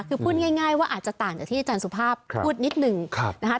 คือพูดง่ายว่าอาจจะต่างจากที่อาจารย์สุภาพพูดนิดหนึ่งนะคะ